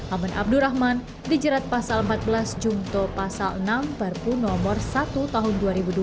aman abdurrahman dijerat pasal empat belas jungto pasal enam perpu nomor satu tahun dua ribu dua puluh